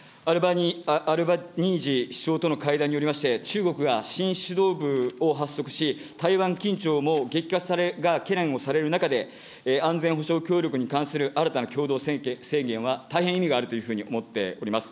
アルバニージー首相との会談に合わせまして、中国が新指導部を発足し、台湾緊張も激化が懸念をされる中で安全保障協力に関する新たな共同宣言は大変意味があるというふうに思っております。